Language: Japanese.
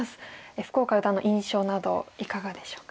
福岡四段の印象などいかがでしょうか？